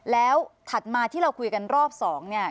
แล้วถัดมาที่เราคุยกันรอบสองเนี่ย